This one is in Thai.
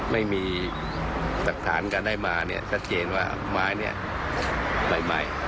ไม่มีหลักฐานการได้มาเนี่ยชัดเจนว่าไม้เนี่ยใหม่